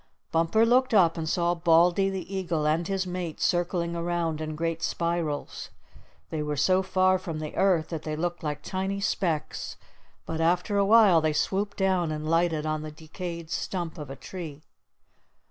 Bumper looked up and saw Baldy the Eagle and his mate circling around in great spirals. They were so far from the earth that they looked like tiny specks, but after a while they swooped down and lighted on the decayed stump of a tree.